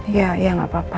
ya ya gak apa apa